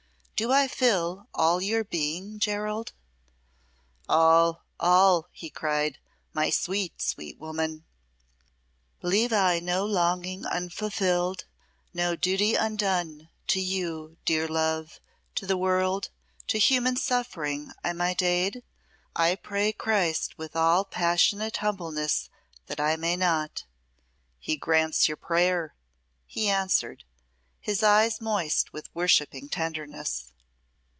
Do I fill all your being, Gerald?" "All, all!" he cried, "my sweet, sweet woman." "Leave I no longing unfulfilled, no duty undone, to you, dear love, to the world, to human suffering I might aid? I pray Christ with all passionate humbleness that I may not." "He grants your prayer," he answered, his eyes moist with worshipping tenderness.